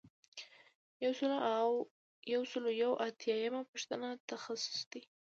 یو سل او یو اتیایمه پوښتنه تخصیص دی.